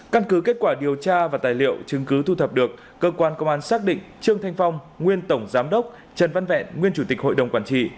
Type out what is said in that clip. căn cứ kết quả điều tra và tài liệu chứng cứ thu thập được cơ quan công an xác định trương thanh phong nguyên tổng giám đốc trần văn vẹn nguyên chủ tịch hội đồng quản trị